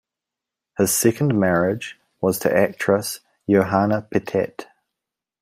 His second marriage was to actress Joanna Pettet.